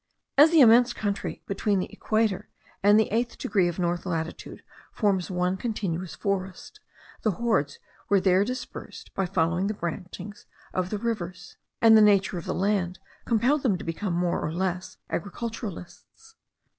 As the immense country between the equator and the eighth degree of north latitude forms one continuous forest, the hordes were there dispersed by following the branchings of the rivers, and the nature of the land compelled them to become more or less agriculturists.